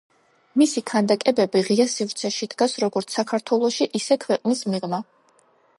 მისი ქანდაკებები ღია სივრცეში დგას როგორც საქართველოში, ისე ქვეყნის მიღმა.